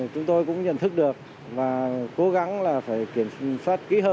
chúng tôi cũng nhận thức được và cố gắng là phải kiểm soát kỹ hơn